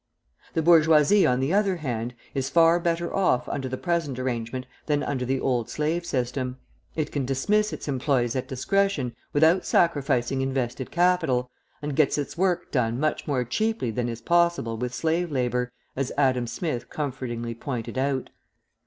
The bourgeoisie, on the other hand, is far better off under the present arrangement than under the old slave system; it can dismiss its employees at discretion without sacrificing invested capital, and gets its work done much more cheaply than is possible with slave labour, as Adam Smith comfortingly pointed out.